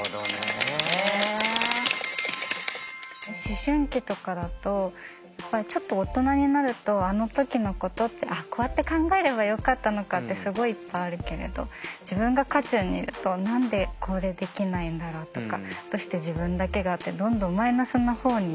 思春期とかだとちょっと大人になるとあの時のことってああこうやって考えればよかったのかってすごいいっぱいあるけれど自分が渦中にいると何でこれできないんだろうとかどうして自分だけがってどんどんマイナスの方に行っちゃいますよね。